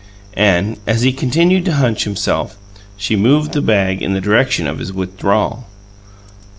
And, as he continued to hunch himself, she moved the bag in the direction of his withdrawal.